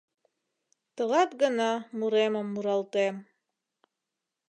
Тылат гына муремым муралтем.